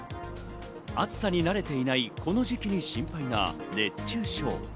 暑さに慣れていないこの時期に心配な熱中症。